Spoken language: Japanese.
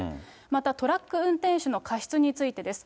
またトラック運転手の過失についてです。